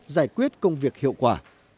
giải quyết công việc hiệu quả